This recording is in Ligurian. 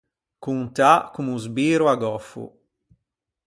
Contâ comme o sbiro à gòffo.